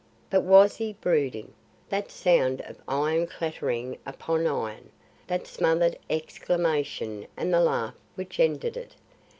But was he brooding? That sound of iron clattering upon iron! That smothered exclamation and the laugh which ended it!